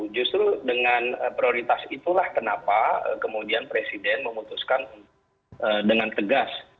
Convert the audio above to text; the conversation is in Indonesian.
justru dengan prioritas itulah kenapa kemudian presiden memutuskan dengan tegas